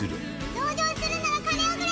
同情するなら金をくれ！